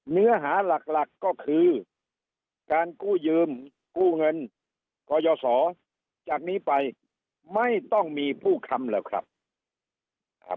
เนื้อหาหลักหลักก็คือการกู้ยืมกู้เงินกยศจากนี้ไปไม่ต้องมีผู้คำหรอกครับ